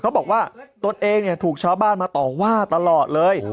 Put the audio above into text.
บอกว่าตนเองถูกชาวบ้านมาต่อว่าตลอดเลย